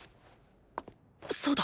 そうだ！